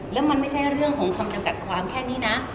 แล้วมันไม่ใช่เรื่องของคำจำกัดความแค่นี้นะ